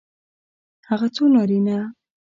هغه څو نارینه